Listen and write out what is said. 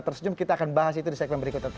tersenyum kita akan bahas itu di segmen berikutnya